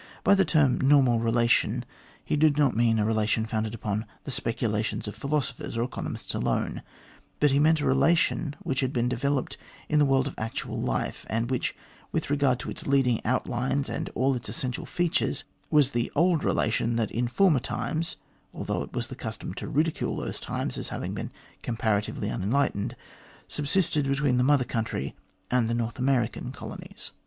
By the term " normal relation " he did not mean a relation founded upon the speculations of philosophers or economists alone, but he meant a relation which had been developed in the world of actual life, and which, with regard to its leading outlines and all its essential features, was the old relation that in former times although it was the custom to ridicule those times as having been comparatively unenlightened subsisted between the Mother Country and the North American colonies.